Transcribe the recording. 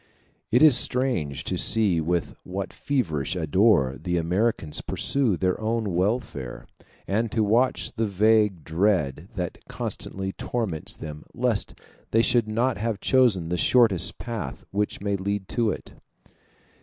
It is strange to see with what feverish ardor the Americans pursue their own welfare; and to watch the vague dread that constantly torments them lest they should not have chosen the shortest path which may lead to it.